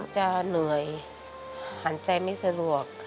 จะเหนื่อยหันใจไม่สะดวก